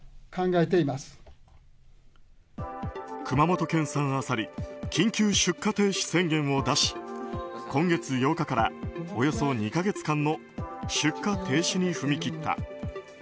熊本県産アサリ緊急出荷停止宣言を出し今月８日からおよそ２か月間の出荷停止に踏み切った。